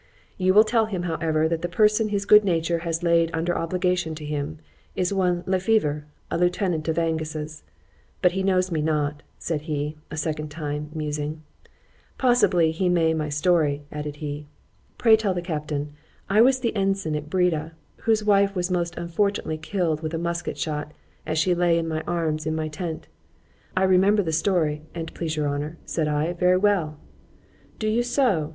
——You will tell him, however, that the person his good nature has laid under obligations to him, is one Le Fever, a lieutenant in Angus's——but he knows me not,—said he, a second time, musing;——possibly he may my story—added he—pray tell the captain, I was the ensign at Breda, whose wife was most unfortunately killed with a musket shot, as she lay in my arms in my tent.——I remember the story, an't please your honour, said I, very well.——Do you so?